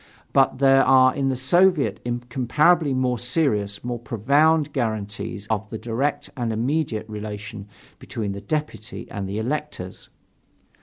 But there are in the Soviet incomparably more serious, more profound guarantees of the direct and immediate relation between the deputy and the electors.